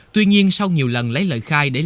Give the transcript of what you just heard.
tuy nhiên sau nhiều lần lấy lời khai